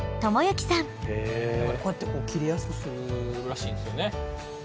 こうやって切れやすくするらしいんですよね。